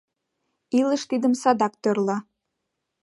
Илыш тидым садак тӧрла...